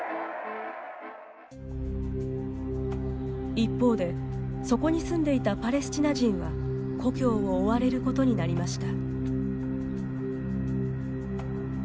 一方でそこに住んでいたパレスチナ人は故郷を追われることになりました。